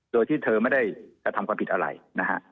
โดยที่เธอไม่ได้กระทำความผิดอะไรนะฮะ